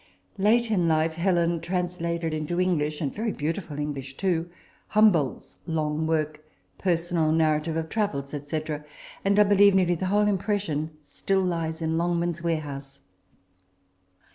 Late in life, Helen translated into English, and very beautiful English too, Humboldt's long work, " Personal Narrative of Travels," &c. ; and, I believe, nearly the whole impression still lies in Longman's warehouse.